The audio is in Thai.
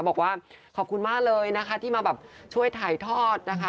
บอกว่าขอบคุณมากเลยนะคะที่มาแบบช่วยถ่ายทอดนะคะ